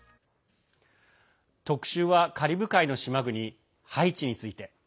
特集は、カリブ海の島国ハイチについて。